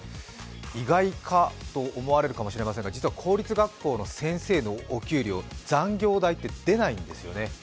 意外かと思われるかもしれませんが、実は公立学校の先生のお給料、残業代って出ないんですよね。